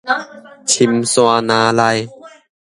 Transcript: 深山林內